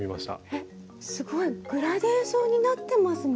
えっすごいグラデーションになってますね。